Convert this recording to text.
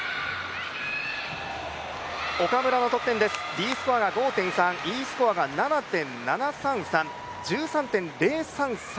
岡村の得点、Ｄスコアが５．３Ｅスコアが７．７３３。１３．０３３